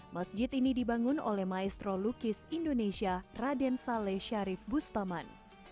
masjid ini dibangun oleh maestro lukis indonesia raden saleh syarif bustaman